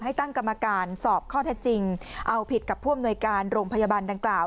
ตั้งกรรมการสอบข้อเท็จจริงเอาผิดกับผู้อำนวยการโรงพยาบาลดังกล่าว